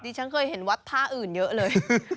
ฉันเคยเห็นวัดท่าอื่นเยอะเลย